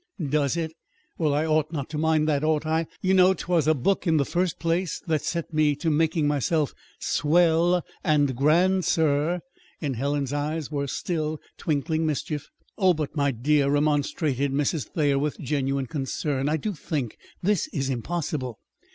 "Does it? Well, I ought not to mind that, ought I? you know 'twas a book in the first place that set me to making myself 'swell' and 'grand,' sir." In Helen's eyes was still twinkling mischief. "Oh, but, my dear," remonstrated Mrs. Thayer with genuine concern. "I do think this is impossible."